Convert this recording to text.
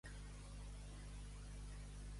De la punyeta.